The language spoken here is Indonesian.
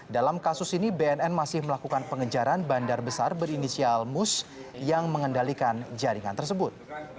dalam kasus ini bnn masih melakukan pengejaran bandar besar berinisial mus yang mengendalikan jaringan tersebut